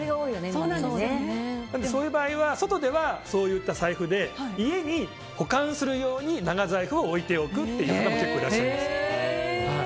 そういう場合は外ではそういった財布で家に保管するように長財布を置いておくという人も結構いらっしゃいます。